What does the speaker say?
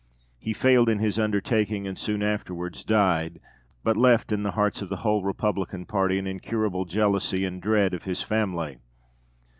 He failed in his undertaking, and soon afterwards died, but left in the hearts of the whole Republican party an incurable jealousy and dread of his family.